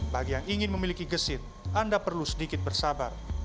bagi yang ingin memiliki gesit anda perlu sedikit bersabar